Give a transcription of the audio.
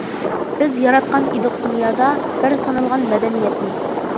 بىز ياراتقان ئىدۇق دۇنيادا، بىر سانالغان مەدەنىيەتنى.